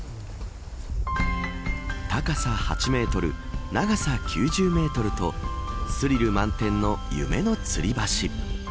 高さ８メートル長さ９０メートルとスリル満点の夢のつり橋。